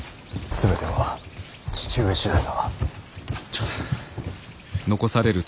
全ては父上次第だ。